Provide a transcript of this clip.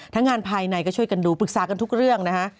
งานภายในก็ช่วยกันดูปรึกษากันทุกเรื่องนะฮะ